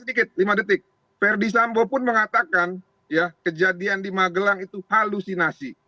sedikit sedikit lima detik ferdi sambo pun mengatakan kejadian di magelang itu halusinasi